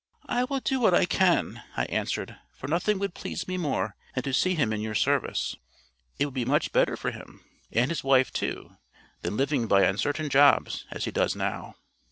"I will do what I can," I answered; "for nothing would please me more than to see him in your service. It would be much better for him, and his wife too, than living by uncertain jobs as he does now."